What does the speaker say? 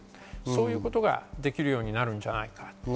そういうことができるようになるんじゃないか。